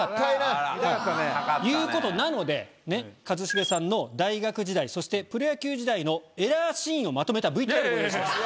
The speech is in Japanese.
見たかったね。ということなので一茂さんの大学時代そしてプロ野球時代のエラーシーンをまとめたＶＴＲをご用意しました。